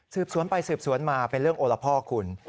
สืบสวนไปสืบสวนมาเป็นเรื่องโอละพ่อคุณ